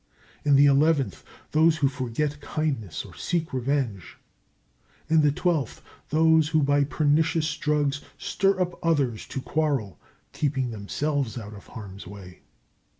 In the eleventh, those who forget kindness or seek revenge. In the twelfth, those who by pernicious drugs stir up others to quarrel, keeping themselves out of harm's way.